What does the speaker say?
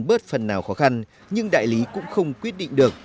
bớt phần nào khó khăn nhưng đại lý cũng không quyết định được